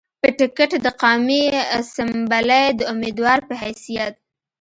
پۀ ټکټ د قامي اسمبلۍ د اميدوار پۀ حېثيت